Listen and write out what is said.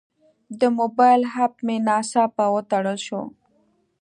د موبایل اپ مې ناڅاپه وتړل شو.